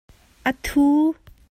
A ṭhu.